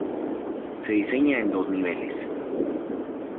Se diseña en dos niveles.